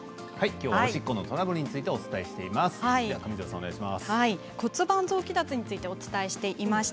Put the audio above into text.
きょうはおしっこのトラブルについてお伝えしています。